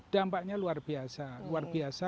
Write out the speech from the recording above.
dampaknya luar biasa